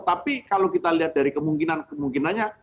tapi kalau kita lihat dari kemungkinan kemungkinannya